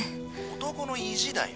男の意地だよ。